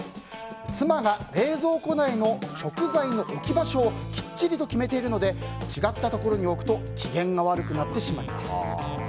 妻が冷蔵庫内の食材の置き場所をきっちりと決めているので違ったところに置くと機嫌が悪くなってしまいます。